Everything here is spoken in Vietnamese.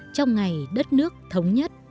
trong ngày đất nước thống nhất